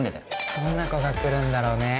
どんな子が来るんだろうね